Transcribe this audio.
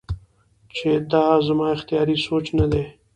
چې دا زما اختياري سوچ نۀ دے